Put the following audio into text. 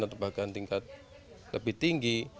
atau bahkan tingkat lebih tinggi